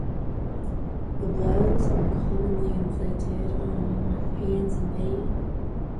The blows are commonly inflicted on the hands and feet.